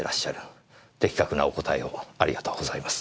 的確なお答えをありがとうございます。